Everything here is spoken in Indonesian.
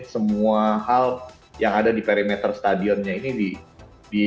semua hal yang ada di perimeter stadionnya ini